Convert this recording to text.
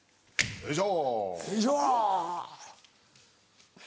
よいしょ。